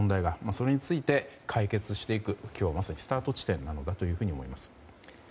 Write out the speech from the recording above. それについて解決していく今日はまさにスタート地点なのだと思います。